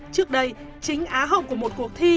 trước đây chính á hậu của một cuộc thi